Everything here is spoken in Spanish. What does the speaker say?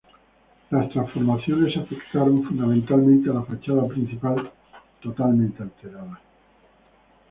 Las transformaciones afectaron fundamentalmente a la fachada principal, totalmente alterada.